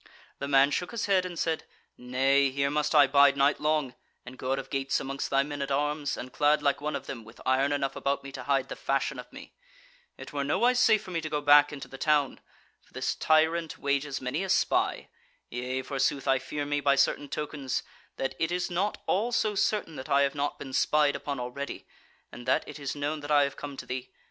The man shook his head and said: "Nay; here must I bide night long, and go out of gates amongst thy men at arms, and clad like one of them with iron enough about me to hide the fashion of me; it were nowise safe for me to go back into the town; for this tyrant wages many a spy: yea, forsooth, I fear me by certain tokens that it is not all so certain that I have not been spied upon already, and that it is known that I have come to thee.